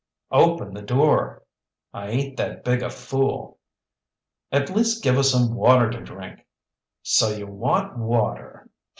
"Open the door." "I ain't that big a fool!" "At least give us some water to drink." "So you want water?"